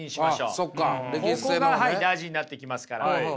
ここが大事になってきますから。